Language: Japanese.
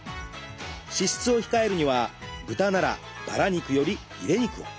脂質を控えるには豚ならバラ肉よりヒレ肉を。